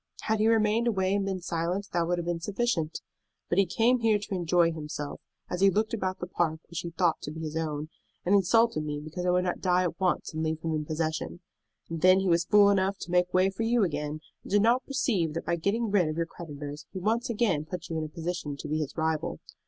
Had he remained away and been silent, that would have been sufficient. But he came here to enjoy himself, as he looked about the park which he thought to be his own, and insulted me because I would not die at once and leave him in possession. And then he was fool enough to make way for you again, and did not perceive that by getting rid of your creditors he once again put you into a position to be his rival.